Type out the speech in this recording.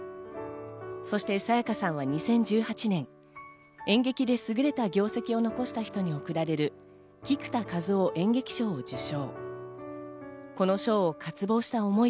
そして沙也加さんは２０１８年、演劇ですぐれた業績を残した人に贈られる、菊田一夫演劇賞を受賞。